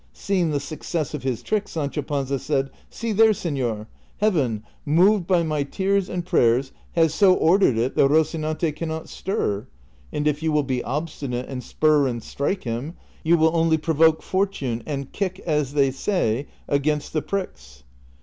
Seeing the success of his trick, Sancho Panza said, " See there, senor ! Heaven, moved by my tears and prayers, has so ordered it that liocinante can not stir ; and if you will be obstinate, and spur and strike him, you will only provoke fortune, and kick, as they say, against the pricks."